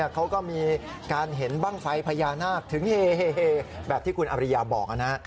เขาก็มีการเห็นบ้างไฟพญานาคถึงเฮแบบที่คุณอริยาบอกนะ